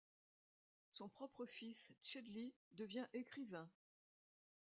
Son propre fils Chedly devient écrivain.